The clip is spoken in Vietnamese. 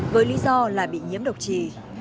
với lý do là bị nhiễm độc trì